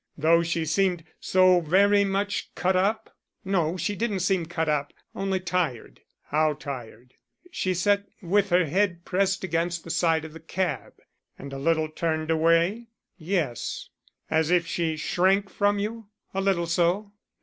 "Though she seemed so very much cut up?" "No, she didn't seem cut up; only tired." "How tired?" "She sat with her head pressed against the side of the cab." "And a little turned away?" "Yes." "As if she shrank from you?" "A little so."